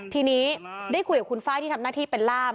ทีนี้ได้คุยกับคุณฟ้ายที่ทำหน้าที่เป็นล่าม